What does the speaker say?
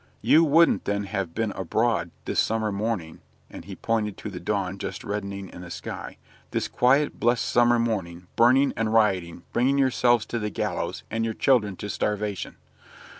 You wouldn't then have been abroad this summer morning" and he pointed to the dawn just reddening in the sky "this quiet, blessed summer morning, burning and rioting, bringing yourselves to the gallows, and your children to starvation."